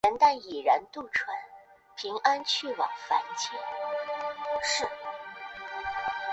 崇礼区长城列表旨在列出中国河北省西部张家口市崇礼区的长城墙体及附属设施。